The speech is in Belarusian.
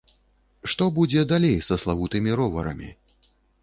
Што будзе далей са славутымі роварамі?